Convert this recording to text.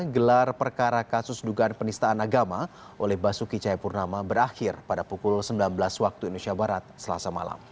gelar perkara kasus dugaan penistaan agama oleh basuki cahayapurnama berakhir pada pukul sembilan belas waktu indonesia barat selasa malam